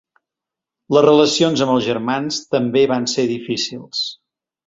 Les relacions amb els germans també van ser difícils.